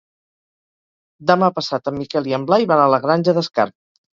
Demà passat en Miquel i en Blai van a la Granja d'Escarp.